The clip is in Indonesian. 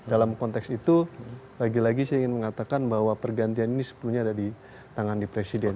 dalam konteks itu lagi lagi saya ingin mengatakan bahwa pergantian ini sepenuhnya ada di tangan di presiden